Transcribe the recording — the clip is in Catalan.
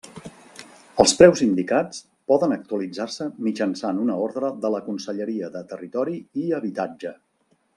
Els preus indicats poden actualitzar-se mitjançant una ordre de la Conselleria de Territori i Habitatge.